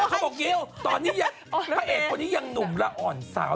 เธอแต่เขาบอกยิ้วตอนนี้ยังพระเอกพวกนี้ยังหนุ่มละอ่อนสาว